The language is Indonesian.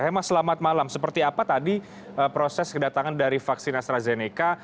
hema selamat malam seperti apa tadi proses kedatangan dari vaksin astrazeneca